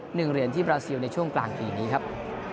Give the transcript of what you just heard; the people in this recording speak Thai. หนึ่งเหรียญที่บราซิลในช่วงกลางปีนี้ครับ